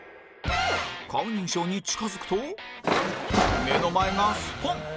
顔認証に近づくと目の前がストン！